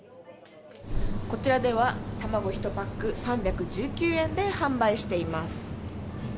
こちらでは、卵１パック３１９円で販売しています。